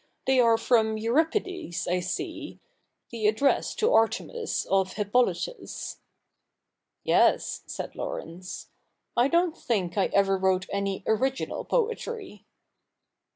They are from Euripides, I see — the address to Artemis of Hippolytus.' ' Yes,' said Laurence ;' I don't think I ever wrote any original poetry.'